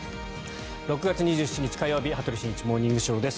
６月２７日、火曜日「羽鳥慎一モーニングショー」。